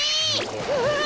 うわ！